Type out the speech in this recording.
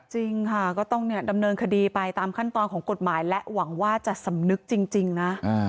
จริงค่ะก็ต้องดำเนินคดีไปตามขั้นตอนของกฎหมายและหวังว่าจะสำนึกจริงนะ